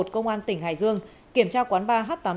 công an tỉnh hải dương kiểm tra quán ba h tám mươi tám